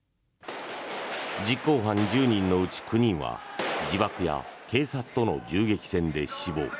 実行犯１０人のうち９人は自爆や警察との銃撃戦で死亡。